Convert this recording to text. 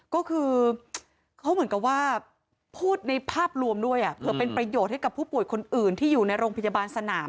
ก็คือเขาเหมือนกับว่าพูดในภาพรวมด้วยเผื่อเป็นประโยชน์ให้กับผู้ป่วยคนอื่นที่อยู่ในโรงพยาบาลสนาม